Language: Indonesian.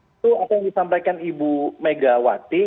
itu apa yang disampaikan ibu megawati